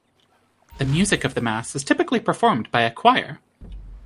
The music of the Mass is typically performed by a choir.